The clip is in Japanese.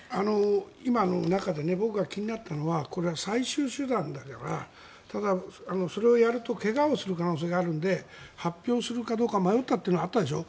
今の中で僕が気になったのはこれは最終手段だからただ、それをやると怪我をする可能性があるので発表するかどうか迷ったというのがあったでしょ。